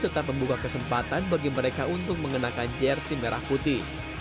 tetap membuka kesempatan bagi mereka untuk mengenakan jersi merah putih